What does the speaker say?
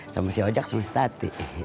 sama si ojak sama si tati